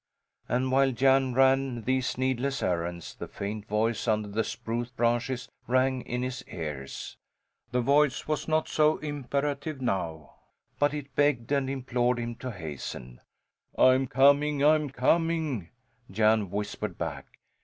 And while Jan ran these needless errands, the faint voice under the spruce branches rang in his ears. The voice was not so imperative now, but it begged and implored him to hasten. "I'm coming, I'm coming!" Jan whispered back.